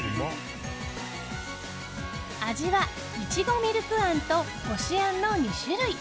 味は、いちごミルクあんとこしあんの２種類。